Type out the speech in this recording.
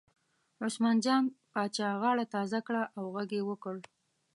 عثمان جان پاچا غاړه تازه کړه او غږ یې وکړ.